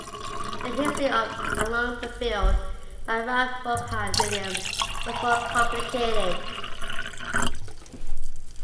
The history of "Along the Field" by Ralph Vaughan Williams was more complicated.